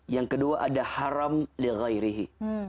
yang kedua ada haram li ghairihi